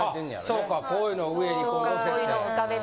そうかこういうのを上にのせて。